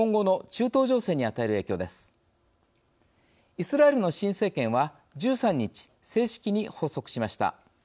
イスラエルの新政権は１３日正式に発足しました。